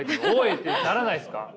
ってならないですか。